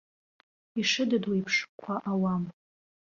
Ишыдыдуеиԥш, қәа ауам!